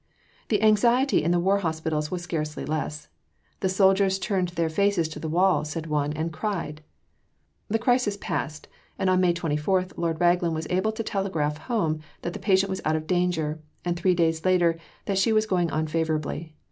The anxiety in the War Hospitals was scarcely less. "The soldiers turned their faces to the wall," said one, "and cried." The crisis passed, and on May 24 Lord Raglan was able to telegraph home that the patient was out of danger, and three days later that she was going on favourably.